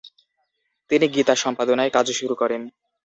তিনি "গীতা" সম্পাদনায় কাজ শুরু করেন।